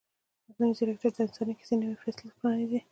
مصنوعي ځیرکتیا د انساني کیسې نوی فصل پرانیزي.